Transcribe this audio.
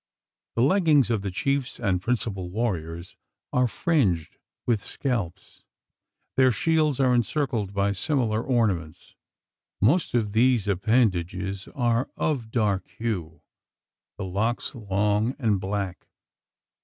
The leggings of the chiefs and principal warriors are fringed with scalps; their shields are encircled by similar ornaments. Most of these appendages are of dark hue the locks long and black.